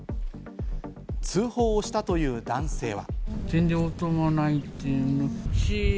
通報をしたという男性は。